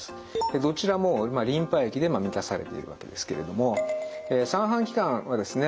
どちらもリンパ液で満たされているわけですけれども三半規管はですね